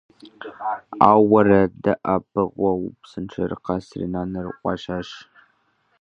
Ауэрэ «ДэӀэпыкъуэгъу псынщӀэр» къэсри, нанэр Ӏуашащ.